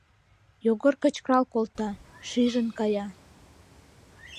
Йогор кычкырал колта... шижын кая...